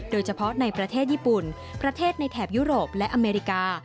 โดยเฉพาะในประเทศญี่ปุ่นประเทศในแถบยุโรปและอเมริกา